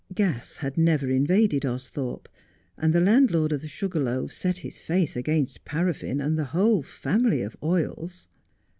Gas had never invaded Austhorpe, and the landlord of the ' Sugar Loaves ' set his face against paraffin and the whole family of oils.